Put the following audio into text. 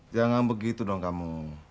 jangan begitu dong kamu